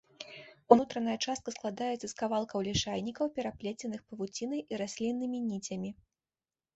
Унутраная частка складаецца з кавалкаў лішайнікаў, пераплеценых павуцінай і расліннымі ніцямі.